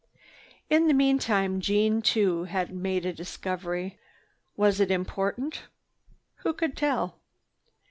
In the meantime Jeanne too had made a discovery. Was it important? Who could tell?